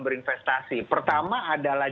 berinvestasi pertama adalah